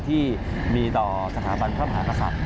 ที่มีต่อสถาบันพระมหากษัตริย์